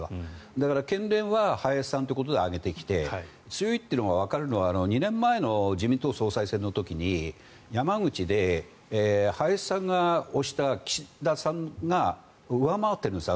だから県連は林さんということで挙げてきて強いとわかるのは２年前の自民党総裁選の時に山口で林さんが推した岸田さんが上回っているんです